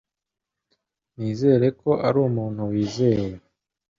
Nizera ko ari umuntu wizewe.